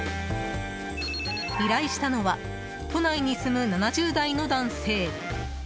依頼したのは都内に住む７０代の男性。